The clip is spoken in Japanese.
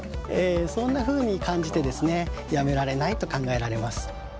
そんなふうに感じてやめられないと考えられます。